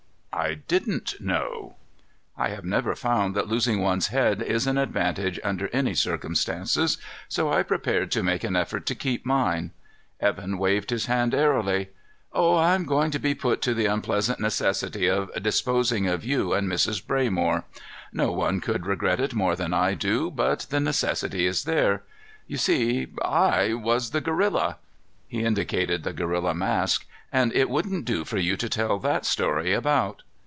"I didn't know." I have never found that losing one's head is an advantage under any circumstances, so I prepared to make an effort to keep mine. Evan waved his hand airily. "Oh, I'm going to be put to the unpleasant necessity of disposing of you and Mrs. Braymore. No one could regret it more than I do, but the necessity is there. You see, I was the gorilla." He indicated the gorilla mask. "And it wouldn't do for you to tell that story about."